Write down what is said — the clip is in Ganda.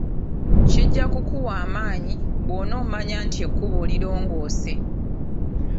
Kijja kukuwa amaanyi bwonomanya nti ekkubo lirongoose.